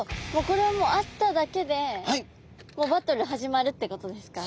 これはもう会っただけでもうバトル始まるってことですか？